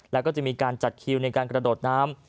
แล้วก็จะมีการจัดคิวในการกระโดดน้ำ